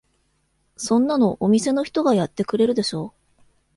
そんなのお店の人がやってくれるでしょ。